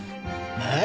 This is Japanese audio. えっ？